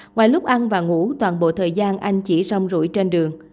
ngoài lúc ăn và ngủ toàn bộ thời gian anh chỉ rong rủi trên đường